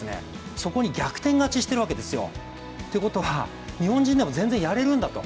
そこに逆転勝ちしているわけですよ。ということは、日本人でも全然やれるんだと。